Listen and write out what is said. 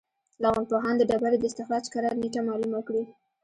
لرغونپوهان د ډبرې د استخراج کره نېټه معلومه کړي.